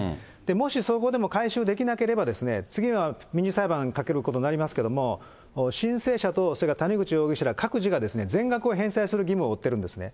もしそこでも回収できなければ、次は民事裁判にかけることになりますけれども、申請者と谷口容疑者ら各自が、全額を返済する義務を負ってるんですね。